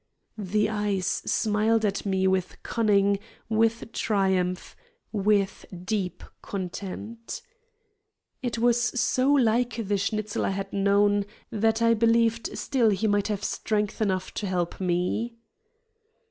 The eyes smiled at me with cunning, with triumph, with deep content. It was so like the Schnitzel I had known that I believed still he might have strength enough to help me.